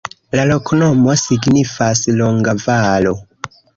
La loknomo signifas: longa-valo.